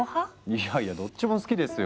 いやいやどっちも好きですよ。